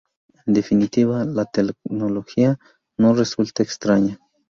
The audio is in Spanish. En definitiva, que la tecnología no resulte extraña.